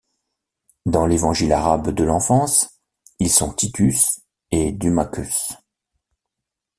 Dans l'Évangile arabe de l'Enfance ils sont Titus et Dumachus.